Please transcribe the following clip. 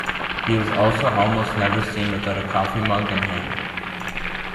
He is also almost never seen without a coffee mug in hand.